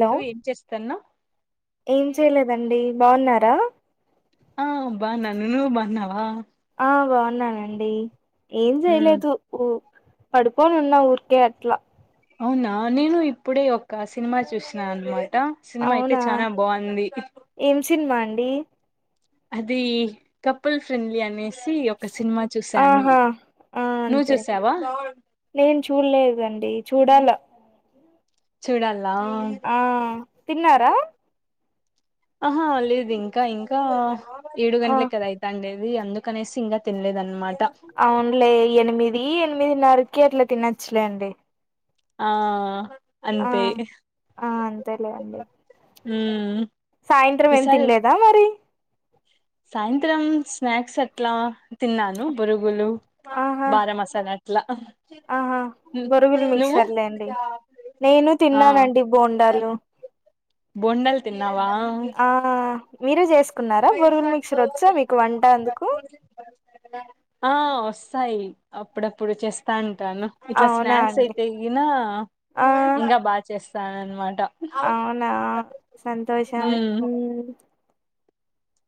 Hello ఏం చేసుతన్నా ఏం చేయలేదండి బాగున్నారా ఆ బాగున్నాను నువ్వు బాగున్నావా ఆ బాగున్నానండి ఏం ఉమ్ చేయలేదు ఉ పడుకొని ఉన్న ఊరుకే అట్లా అవునా నేను ఇప్పుడే ఒక సినిమా చూసినా అన్నమాట్ ట సినిమా అయితే అవునా చానా బాగుంది డీ అది కపుల్ ఫ్రెండ్లీ అనేసి ఒక సినిమా చూశాను ఆహా ఆ అంతే నేను చూడలేదండి చూడాలా చూడాల్ల తిన్నారా ఆహా లేదు ఇంకా ఇంకా ఏడు ఆ గంటల కదా అయితాండే అది అందుకనేసి ఇంకా తినలేదు అన్నమాట్ అవునులే ఎనిమిది ఎనిమిదిన్నరకి అట్లా తినచ్చు లేండి ఆ ఆ అంతే ఆ అంతే లే అండి ఉమ్మ్ సాయంత్రం ఏం తినలేదా మరి సాయంత్రం స్నాక్స్ అట్లా తిన్నాను బురుగులు ఆహా బారా మసాలా అట్లా ఆహా బొరుగులు నువ్వు మిక్చర్లే అండి నేను తిన్నానండి బోండాలు బొండాల్ తిన్నావా ఆ మీరు చేసుకు అందుకు ఆ వసు వస్తాయి అప్పుడప్పుడు చేస్తాయి అంటాను ఇట్లా అవునా స్నాక్స్ అండి అయితేగిన ఆ ఇంకా బాగా చేస్తాను అన్ మాట అవునా సంతోషం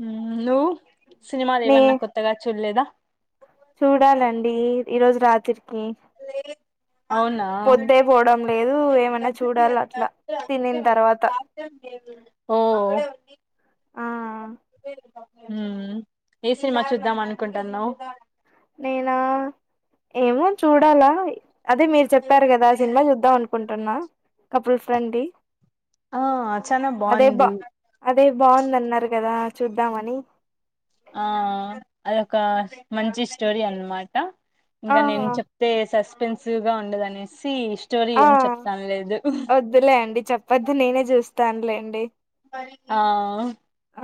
హ నువ్ సినిమాలు నే ఏవన్నా కొత్తగా చూడులేదా చూడాలండి ఈరోజు రాత్రికి అవునా పొద్దే పోవడం లేదు ఏమనా చూడాలి అట్లా తినిన తర్వాత ఒహ్హ్ ఆ ఏ సినిమా చూద్దాం అనుకుంటాన్నావ్ నేనా ఏమో చూడాలా అదే మీరు చెప్పారు కదా సినిమా చూద్దాం అనుకుంటున్న కపుల్ ఫ్రెండ్లీ ఆ చానా అదే బా బాగుంది అదే బాగుందన్నారు కదా చూద్దామని ఆ అదొక మంచి స్టోరీ అన్నమాట ఆ ఇంకా నేను చెప్తే సస్పెన్సివ్ గా ఉండదనేసి స్టోరీ ఆ ఏం చెప్తాను లేదు వద్దులే అండి చెప్పద్దు నేనే చూస్తానులేండి ఆ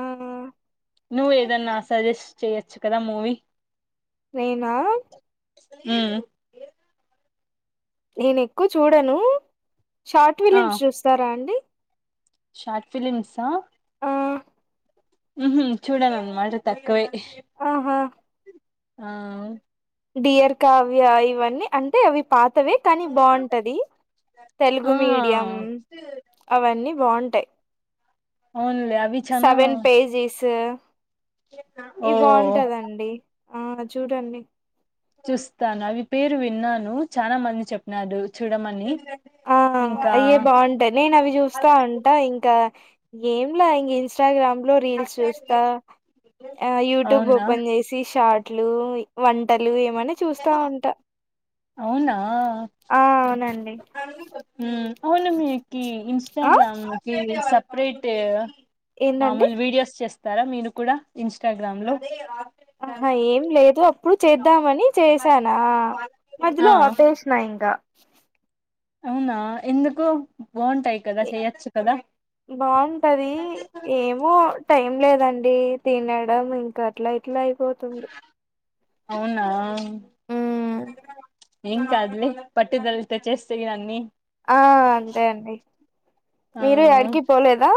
ఆ నువ్వ ఏదన్నా సజెస్ట్ చెయొచ్చు కదా మూవీ నేనా హ్మ్మ్ నేను ఎక్కువ చూడను షార్ట్ ఆ ఫిలిమ్స్ చూస్తారా అండి షార్ట్ ఫిలిమ్సా ఆ ఉహామ్ చూడనానమటే తక్కువే ఆ ఆ డియర్ కావ్య ఇవన్నీ అంటే అవి పాతవే కానీ బాగుంటది తెలుగు ఆ మీడియం అవన్నీ బాగుంటాయి అవునులే అవి చానా సెవెన్ పేజీస్ ఈ ఓ బాగుంటదండి ఆ చూడండి చూస్తాను అవి పేరు విన్నాను చాలా మంది చెప్పినడు చూడమని ఆ ఇంకా అయ్యే బాగుంటాయి నేను అవి చూస్తా ఉంటా ఇంకా ఏంలా ఇం ఇన్స్టగ్రామ్ లో రీల్స్ చూస్తా యూట్యూబ్ అవునా ఓపెన్ చేసి షార్ట్ ట్లు వంటలు ఏమనా చూస్తా ఉంటా అవునా ఆ అవునండి అవును మీకి ఆ ఇంస్టాగ్రామ్కి సపరేట్ ఏంటండి మామూలు వీడియోస్ చేస్తారా మీరు కూడా ఇన్స్టాగ్రామ్ లో ఆహా ఏం లేదు అప్పుడు చేద్దామని చేసానా ఆ మజలో ఆపేసినా ఇకా అవునా ఎందుకు బాగుంటాయి కదా చెయచ్చు కదా బాగుంటది ఏమో టైం లేదండి తినడం ఇంకా అట్లా ఇట్లా అయిపోతుంది అవునా ఏం కాదులే. పట్టుదలతో చేస్తే ఇవన్ని ఆ అంతే అండి మీరు ఎడికి పోలేదా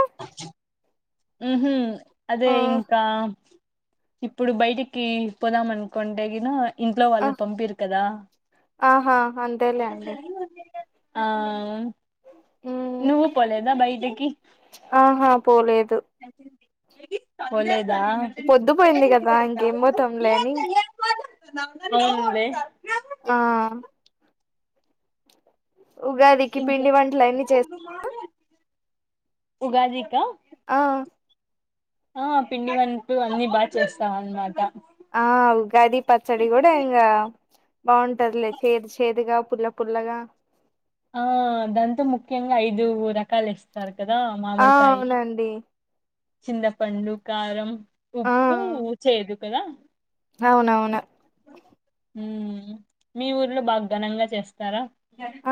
ఉహ్మ్ అదే ఆ ఇంకా ఇప్పుడు బయటికి పోదాంనుకోంటేగిన ఇంట్లో ఆ వాళ్ళు పంపిరు కదా ఆహా అంతేలే అండి ఆ ఉమ్ నువ్వు పోలేదా బయటకి ఆహా పోలేదు పోలేదా పొద్దుపోయింది కదా ఇంకేం పోతాంలే అని పోనులే ఆ ఉగాదికి ఇంకా పిండి వంటలు అన్ని చేస్తారు ఉగాదిక ఆ ఆ పిండి వంటలు అన్ని బా చేస్తామన్నమాట. ఆ ఉగాది పచ్చడి కూడ ఇంగా, బాగుంటదిలే చేదు చేదుగా, పుల్ల పుల్లగా. ఆ దాంతో ముఖ్యంగా ఐదు రకాలేస్తారు. కదా! ఆ మామిడికాయి, అవునండి చింతపండు, కారం, ఆ ఉప్పు, చేదు కదా! అవునవును. మ్ మీ ఊర్లో బాగ ఘనంగా చేస్తారా?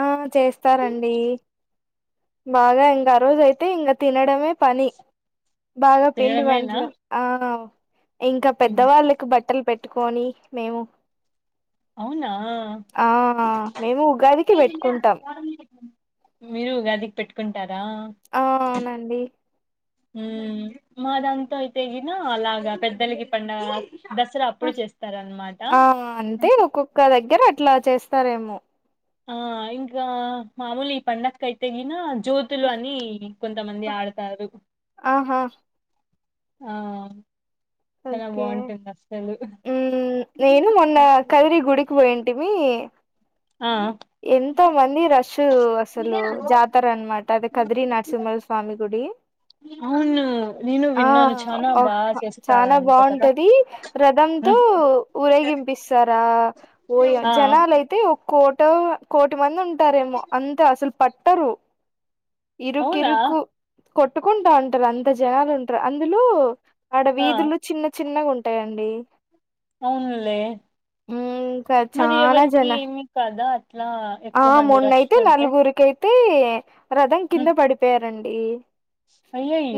ఆ చేస్తారండి. బాగా ఇంక ఆ రోజ అయితే, ఇంక తినడమే పని. బాగ పిండి తినడమేనా వంటలు. ఆ ఇంకా మ్మ్. పెద్దవాళ్ళకి బట్టలు పెట్టుకొని, మేము అవునా! ఆ మేము ఉగాదికి పెట్టుకుంటాం మీరు ఉగాదికి పెట్ ఆ అవునండి. మ్ మా దాంతో అయితే గిన, అలాగ పెద్దలకి పండగ. దసరా అప్పుడు చేస్తారనమాట ఆ అంటే ఒక్కొక్క దగ్గర అట్లా చేస్తారేమో. ఆ ఇంకా మామూలి ఈ పండకైతేగిన జ్యోతులు అని కొంతమంది ఆడతారు. ఆహా ఆ చాన బాంటుంది. అసల్ మ్ నేను మొన్న కదిరి గుడికి పోయింటిమి. ఆ ఎంత మంది రష్యు అసలు, జాతర అనమాట అది. కదిరి నరసింహ స్వామి గుడి. అవును. నేను ఆ విన్నాను చానా బాగా చాన చేస్తారంట కదా బాంటది. రథంతో మ్మ్. ఊరేగి పంపిస్తారా ఒయ ఓ ఆ జనాలు అయితే ఒ కో ట్ కోటి మంది ఉంటారేమో, అంత అసలు పట్టరు. అవునా ఇరుకిరుకు కొట్టుకుంటాంటారు. అంత జనాలు ఉంటారు. అందులో, ఆడ ఆ వీధులు చిన్న చిన్నగా ఉంటాయండి. అవునులే, మ్మ్ ఇంకా మరి చానా ఎవరికి జన ఏమి కాదా? అట్లా ఎక్కువ మంది రష్ ఉంటే! తే రథం కింద ఉమ్, పడిపోయారండి.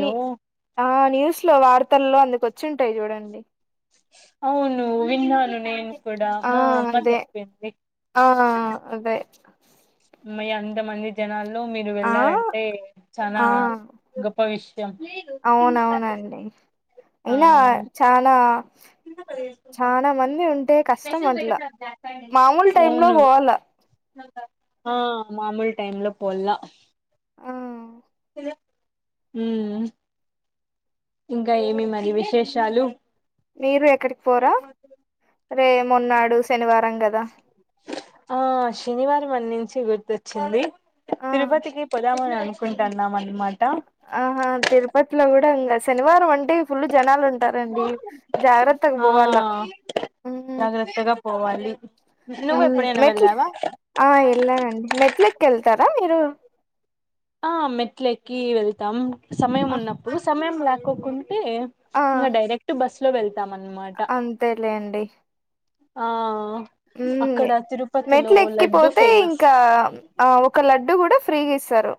ని ఆ న్యూస్ లో, వార్తల్లో అందుకు వచ్చింటాయి చూడండి. అవును విన్నాను నేను కూడ. ఆ మా అమ్మ అదే చెప్పింది. ఆ అదే. హమయ్య అంతమంది జనాల్లో మీరు ఆ వెళ్ళారంటే, చాన ఆ గొప్ప విష్ అవునవునండి. ఆ అయినా చాల చాన మంది ఉంటే కష్టం అట్ల. మామూలు టైమ్ లో అవును పోవాల. ఆ మామూలు టైమ్ లో పోల్ల. ఆ య మ్. ఇంకా ఏమి మరి విశేషాలు? మీరు ఎక్కడికి పోరా? రే మొన్నాడు శనివారం కదా! ఆ శనివారం అన్నించి గుర్తొచ్చింది. ఆ తిరుపతికి పొదామని అను నుకుంటాన్నామండీ మ ఆహా తిరుపతిలో కూడ ఇంగ శనివారం అన్ టే ఫుల్ జనాలు ఉంటారండి. జాగ్రత్తగ పోవాల. ఆ జాగ్రత్తగా పోవాలి. హ నువ్వు ఎప్పుడైనా మెట్ల వెళ్ళావా ఆ ఎలానండి మెట్లక్ కల్తారు రా మీరు ఆ మెట్ల ఎక్కి వెళ్తాం సమయం ఆ ఉన్నప్పుడు సమయం లాక్కకుండా ఆ ఇకా డైరెక్ట్ బస్ లో వెళ్త అంతేలేండి ఆ అక్కడ తిరు మెట్లు ఎక్కిపోతే ఇంకా ఆ ఒక లడ్డు కూడా ఫ్రీగా ఇస్తారు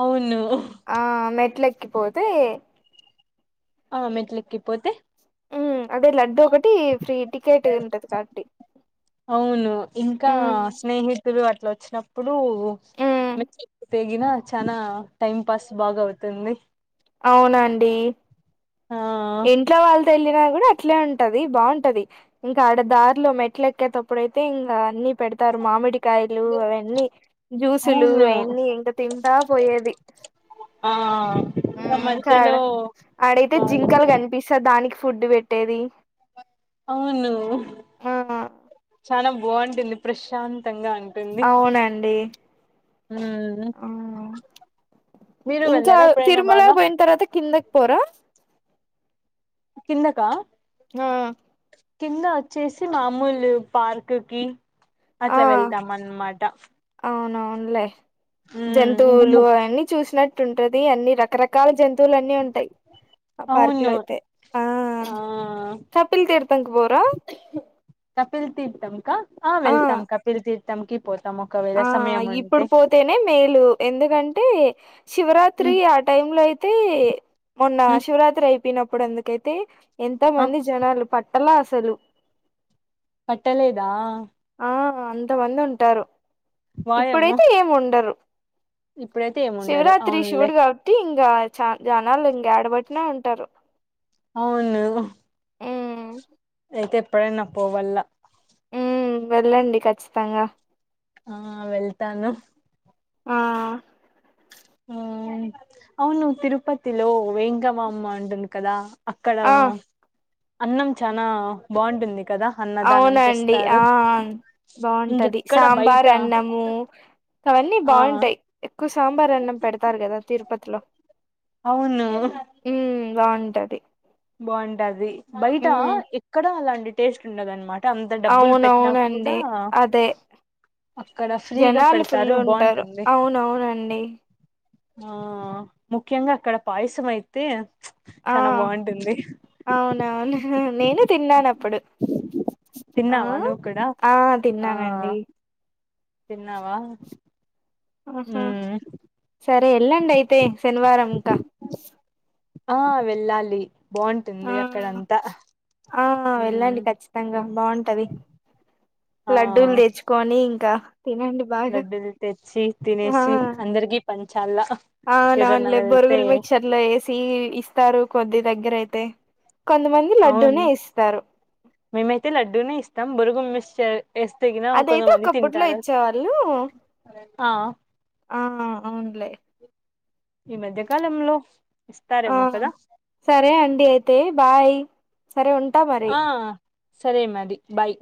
అవును ఆ మెట్ల ఎక్కిపోతే ఆ మెట్లెక్కిపోతే మ్మ్ అదే లడ్డూ ఒకటి ఫ్రీ టికెట్ ఉంటది కాబట్టి అవును ఇంకా మ్మ్ స్నేహితులు అట్లా వచ్చినప్పుడు మ్మ్ తెేగినా చనా టైం పాస్ బాగ అవుతుంది అవునండి ఆ ఇంట్లో వాళ్ళు తెళ్లిన కూడా అట్లే ఉంటది బాగుంటది ఇంకా ఆడ దారిలో మెట్లు ఎక్కేటప్పుడు అయితే ఇంకా అన్ని పెడతారు మామిడికాయలు అవన్నీ జ్యూసులు అవును అవన్నీ ఇంకా తింటా పోయేది ఆ ఆ చడ మధ్యలో అడేతే జి బాగా పిసా దానికి ఫుడ్ పెట్టేది అవును ఆ చనా బాగుంటుంది ప్రశాంత్ అవునండి మ్మ్ ఆ మీరు ఇంకా వెళ్ళారా ఎప్పుడైనా తిరుమల బాగా పోయిన తర్వాత కిందకి పోరా కిన్నకా హా కింద వచ్చేసి మామూలు పార్క్ ఆ అట్లా వెళ్తాం అన్నమాట లే మ్మ్ ఇంకా జంతువులు ము అవన్నీ చూసినట్టు ఉంటది అన్ని రకరకాల జంతువు వుతువులు అన్నీ ఉంటాయి ఆ పార్క్ లో అవును అయితే ఆ ఆ కప్పల్ తీర్తనికి పోరా కపిల్ తీర్తాం క ఆ వెళ్తాం క పిల్ తీర్తాం క ఆ కవేదమ ఇప్పుడు పోతేనే మేలు ఎందుకంటే శివరాత్రి మ్మ్ ఆ టై లో అయి అయితే మొన్న మ్మ్ శివరాత్రి అయిపోయినప్పుడు ఎందుకైతే ఎంతో ఆ మంది జనాలు ప ఎలా అసలు పట్టలేదా ఆ అంతమంది ఉంటారు వాయమ్మో ఇప్పుడైతే ఏమి ఉండరు ఇప్పుడైతే ఏముండరు శివరాత్రి అవునులే శివుడుగావటి ఇం ఇంకా చ జనాలు ఇంకా ఆడబట్టినే ఉంటారు అవును ఆ అయితే ఎప్పుడైనా పోవల్ల ఉ వెళ్ళండి ఖచ్చితంగా ఆ వెళ్తాను ఆ ఉ అవును తిరుపతిలో వేంగమ అమ్మ అండున్ కదా అక్కడ ఆ అన్నం చానా బాగుంటుంది కదా అన్నదానం అవునండి ఆ చేస్తారు బాగుంటది ఇంకెక్కడ బయట సాంబార్ అన్నము అవన్నీ ఆ బాగుంటాయి ఎక్కువ సాంబార్ అన్నం పెడతారు కదా తిరుపతిలో అవును ఉమ్ బాగుంటది బాగుంటది బయట ఉమ్ ఎక్కడా అలాంటి టేస్ట్ ఉండదనమాట అంత డబ్బులు పెట్టినా కూడా అవునవునండి అదే అక్కడ ఫ్రీగా జనాలు ఫుల్ పెడతారు ఉంటారు బాగుంటుంది అవునవునండి ఆ ముఖ్యంగా అక్కడ పాయసం అయితే ఆ చానా బాగుంటుంది అవునవును నేను తిన్నాను అప్పుడు ఆ తిన్నావా నువ్వు కూడా ఆ ఆ తిన్నానండి తిన్నావా ఆహా మ్మ్ సరే వెళ్ళండి అయితే శనివారం ఇంకా ఆ వెళ్ళాలి ఆ బాగుంటుంది అక్కడంతా ఆ మ్మ్ వెళ్ళండి ఖచ్చితంగా బాగుంటది ఆ లడ్డూలు తెచ్చుకొని ఇంకా తినండి బాగా లడ్డలు తెచ్చి తినేసి అందరికి పంచి అవునవులే బొరుగులు మిక్చర్ లో వేసి ఇస్తారు కొద్ది దగ్గర అయితే కొంతమంది అవును లడ్డూనే ఇస్తారు బొరుగు మిక్చర్ ఎస్తగిన అదైతే కొంతమంది ఒకప్పట్లో తింటారు ఇచ్చేవాళ్ళు ఆ ఆ అవునులే ఈ మధ్య కాలంలో ఆ సరే అండి అయితే బాయ్ సరే ఉంటా మరి ఆ సరే మారి బాయ్